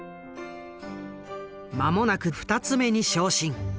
間もなく二ツ目に昇進。